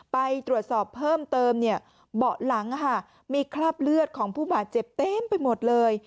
ไปตรวจสอบเพิ่มเติมเนี่ยเบาะหลังมีคราบเลือดของผู้บาดเจ็บเต็มไปหมดเลย